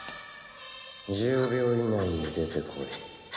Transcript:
１０秒以内に出てこい。